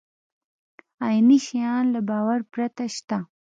عیني شیان له باور پرته شته.